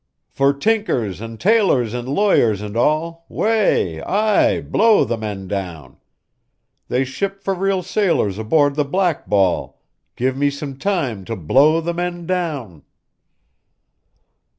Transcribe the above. For tinkers and tailors and lawyers and all, Way! Aye! Blow the men down! They ship for real sailors aboard the Black Ball, Give me some time to blow the men down.